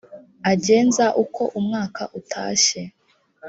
agenza uko umwaka utashye